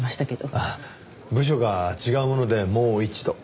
ああ部署が違うものでもう一度。